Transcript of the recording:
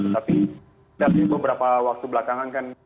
tapi beberapa waktu belakangan kan